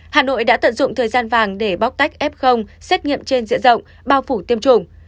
hà nội đã tận dụng thời gian vàng để bóc tách f xét nghiệm trên diện rộng bao phủ tiêm chủng